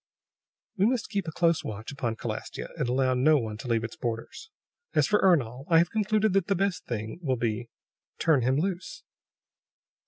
"We must keep a close watch upon Calastia, and allow no one to leave its borders. As for Ernol, I have concluded that the best thing will be turn him loose!"